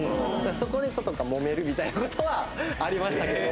そこでちょっともめるみたいなことはありましたけど。